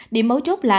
điểm ấu chốt là